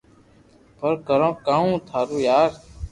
پر ڪرو ڪاو ٿارو يار